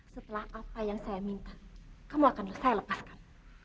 setelah apa yang saya minta kamu akan saya lepaskan